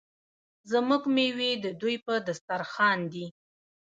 زموږ میوې د دوی په دسترخان دي.